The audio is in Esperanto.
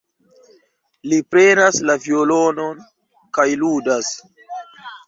Li prenas la violonon kaj ludas.